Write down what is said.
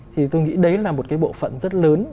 thì tôi nghĩ đấy là một cái bộ phận rất lớn